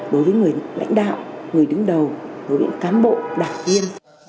đối với người lãnh đạo người đứng đầu đối với cán bộ đảng viên